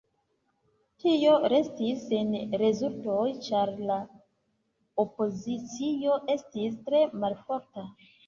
Tio restis sen rezultoj, ĉar la opozicio estis tre malforta.